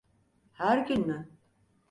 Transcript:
Her gün mü?